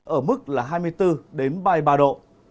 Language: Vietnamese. ở mức là hai mươi bốn ba mươi ba độ